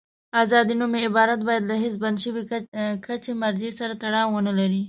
آزاد نومي عبارت باید له هېڅ بند شوي کچې مرجع سره تړاو ونلري.